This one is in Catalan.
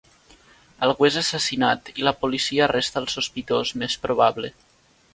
Algú és assassinat i la policia arresta el sospitós més probable.